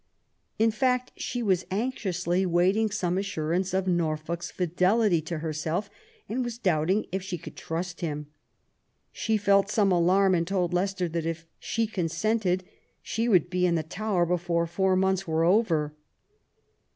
In fact, she was anxiously waiting some assurance of Norfolk's fidelity to herself, and was doubting if she could trust him. She felt some alarm and told Leicester that if she consented, she would be in the Tower before four months were over".